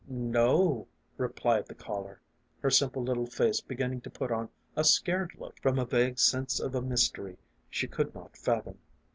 "No o," replied the caller, her simple little face begin ning to put on a scared look, from a vague sense of a mys tery she could not fathom.